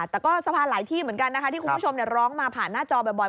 แต่ก็สะพานหลายที่เหมือนกันนะคะที่คุณผู้ชมร้องมาผ่านหน้าจอบ่อย